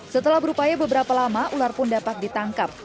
setelah berupaya beberapa lama ular pun dapat ditangkap